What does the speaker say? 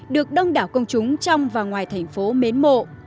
được đông đảo công chúng trong và ngoài thành phố mến mộ